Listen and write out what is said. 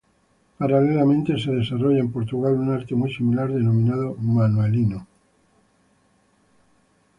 Paralelamente se desarrolla en Portugal un arte muy similar denominado manuelino.